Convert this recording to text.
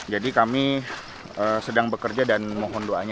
kami sedang bekerja dan mohon doanya